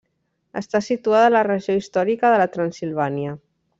Està situada a la regió històrica de la Transsilvània.